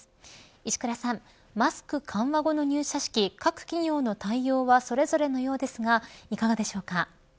石倉さん、マスク緩和後の入社式各企業の対応はそれぞれのようですがいかがでしょうか。